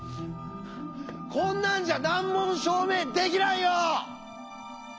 こんなんじゃ難問の証明できないよ！